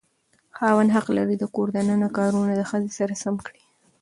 خاوند حق لري د کور دننه کارونه د ښځې سره سم کړي.